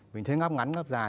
mình thấy ngắp ngắn ngắp dài